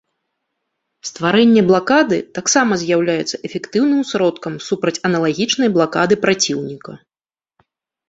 Стварэнне блакады таксама з'яўляецца эфектыўным сродкам супраць аналагічнай блакады праціўніка.